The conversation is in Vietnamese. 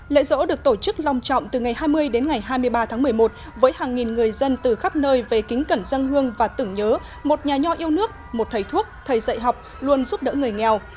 lễ rỗ được tổ chức lòng trọng từ ngày hai mươi đến ngày hai mươi ba tháng một mươi một với hàng nghìn người dân từ khắp nơi về kính cẩn dân hương và tưởng nhớ một nhà nho yêu nước một thầy thuốc thầy dạy học luôn giúp đỡ người nghèo